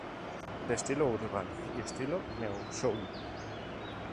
De estilo urban y neo soul.